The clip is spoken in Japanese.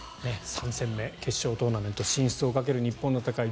３戦目決勝トーナメント進出をかける日本の戦い